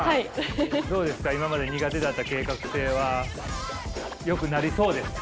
どうですか今まで苦手だった計画性はよくなりそうですか。